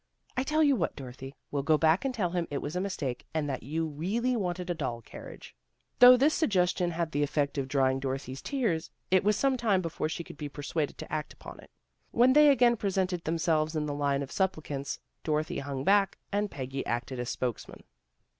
" I tell you what, Dorothy. We'll go back and tell him it was a mistake, and that what you really wanted was a doll carriage." Though this suggestion had the effect of drying Dorothy's tears, it was some time before she could be persuaded to act upon it. When they again presented themselves hi the line of supplicants, Dorothy hung back, and Peggy acted as spokesman.